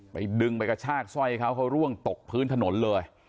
ไปดึงไปกระชากสร้อยเขาเขาร่วงตกพื้นถนนเลย